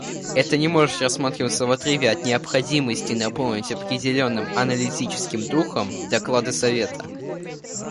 Это не может рассматриваться в отрыве от необходимости наполнить определенным аналитическим духом доклады Совета.